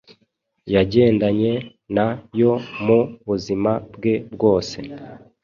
yagendanye na yo mu buzima bwe bwose.